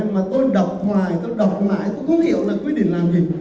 mà tôi đọc hoài tôi đọc mãi tôi không hiểu là quy định làm gì